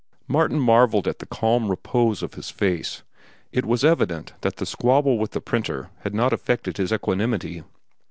Martin marvelled at the calm repose of his face. It was evident that the squabble with the printer had not affected his equanimity.